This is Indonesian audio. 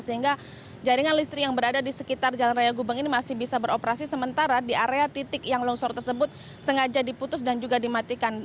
sehingga jaringan listrik yang berada di sekitar jalan raya gubeng ini masih bisa beroperasi sementara di area titik yang longsor tersebut sengaja diputus dan juga dimatikan